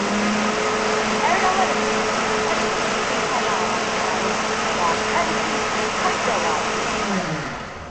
Ƴan rawar sun yi matuƙar kyau cikin fararen kayan, ga ƙarfi tamkar dawakai.